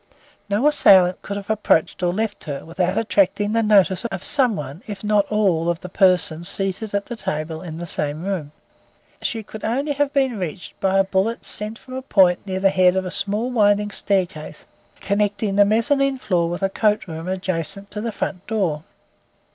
No assailant could have approached or left her, without attracting the notice of some one, if not all of the persons seated at a table in the same room. She could only have been reached by a bullet sent from a point near the head of a small winding staircase connecting the mezzanine floor with a coat room adjacent to the front door.